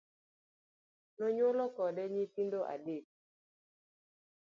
Nonyuolo kode nyithindo adek.